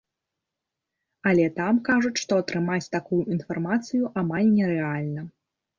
Але там кажуць, што атрымаць такую інфармацыю амаль нерэальна.